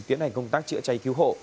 tiến hành công tác chữa cháy cứu hộ